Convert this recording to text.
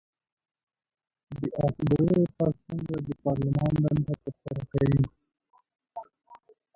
د آس ګلو اطاق څنګه د پارلمان دنده ترسره کوي؟